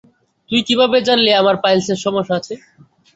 তুই কিভাবে জানলি আমার পাইলসের সমস্যা আছে?